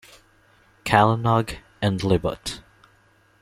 Calinog, and Libot.